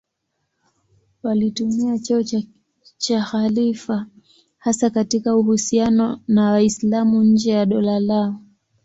Walitumia cheo cha khalifa hasa katika uhusiano na Waislamu nje ya dola lao.